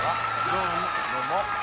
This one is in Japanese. どうも。